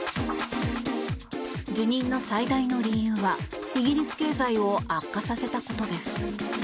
辞任の最大の理由はイギリス経済を悪化させたことです。